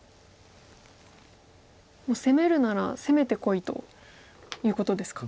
攻めるなら攻めてこいということですか。